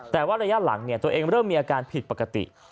แต่ว่าระยะหลังตัวเองเริ่มมีอาการผิดปกติ